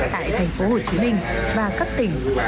tại thành phố hồ chí minh và các tỉnh